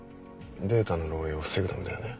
データの漏洩を防ぐためだよね。